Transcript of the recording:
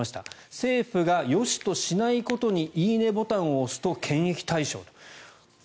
政府がよしとしないことに「いいね」ボタンを押すと検閲対象と。